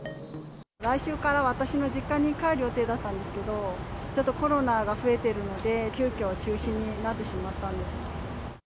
来週から私の実家に帰る予定だったんですけど、ちょっとコロナが増えているので、急きょ、中止になってしまったんです。